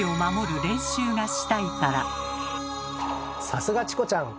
さすがチコちゃん！